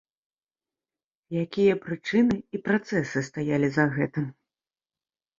Якія прычыны і працэсы стаялі за гэтым?